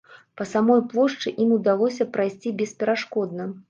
Па самой плошчы ім удалося прайсці бесперашкодна.